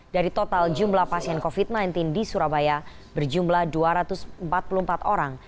dari total jumlah pasien covid sembilan belas di surabaya berjumlah dua ratus empat puluh empat orang